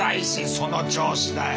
その調子だよ！